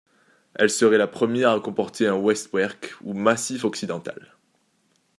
Elle serait la première à comporter un westwerk ou massif occidental.